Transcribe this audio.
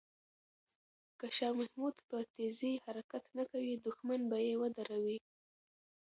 که شاه محمود په تېزۍ حرکت نه کوي، دښمن به یې ودروي.